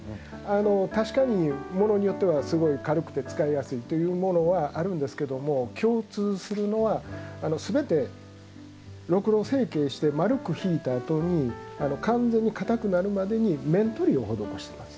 確かにものによってはすごい軽くて使いやすいっていうものはあるんですけども共通するのは全てろくろ成形して丸くひいたあとに完全に硬くなるまでに面取りを施してます。